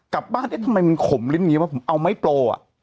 กลับบ้านเอ๊ะทำไมมันขมลิ้นอย่างนี้ว่าผมเอาไม้โปรอ่ะ